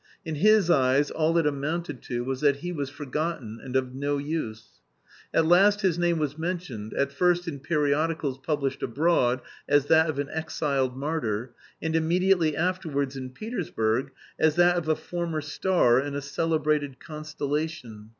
In his eyes all it amounted to was that he was forgotten and of no use. At last his name was mentioned, at first in periodicals published abroad as that of an exiled martyr, and immediately afterwards in Petersburg as that of a former star in a celebrated constellation.